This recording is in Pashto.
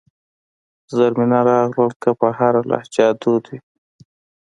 زرمینه راغلل که په هره لهجه دود وي.